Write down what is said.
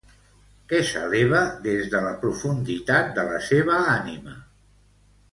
Què s'eleva des de la profunditat de la seva ànima?